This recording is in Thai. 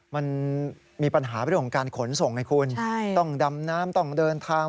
มันมีปัญหาเรื่องของการขนส่งไงคุณต้องดำน้ำต้องเดินทาง